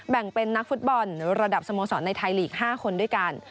แบ่งเป็นนักฟุตบอลระดับสโมสรในไทยลีก๕คนด้วยกัน